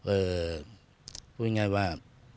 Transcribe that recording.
เอ่อพูดง่ายว่า